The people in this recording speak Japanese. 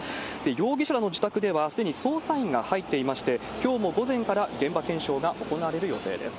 容疑者の自宅では、すでに捜査員が入っていまして、きょうも午前から現場検証が行われる予定です。